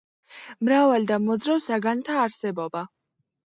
მრავალ და მოძრავ საგანთა არსებობა.